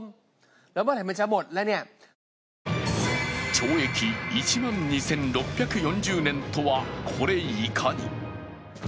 懲役１万２６４０年とはこれいかに？